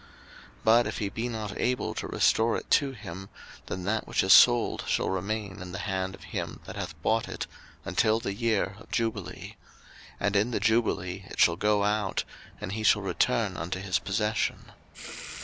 03:025:028 But if he be not able to restore it to him, then that which is sold shall remain in the hand of him that hath bought it until the year of jubile: and in the jubile it shall go out, and he shall return unto his possession.